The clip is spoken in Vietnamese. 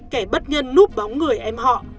kẻ bất nhân núp bóng người em họ